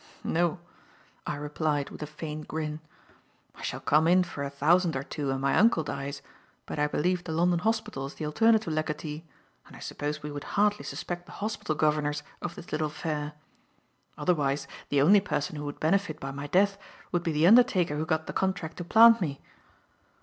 "No," I replied with a faint grin. "I shall come in for a thousand or two when my uncle dies, but I believe the London Hospital is the alternative legatee, and I suppose we would hardly suspect the hospital governors of this little affair. Otherwise, the only person who would benefit by my death would be the undertaker who got the contract to plant me."